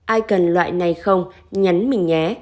ai cần loại này không nhấn mình nhé